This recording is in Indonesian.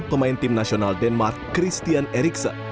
pemain tim nasional denmark christian eriksen